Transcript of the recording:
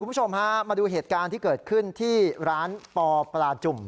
คุณผู้ชมฮะมาดูเหตุการณ์ที่เกิดขึ้นที่ร้านปอปลาจุ่ม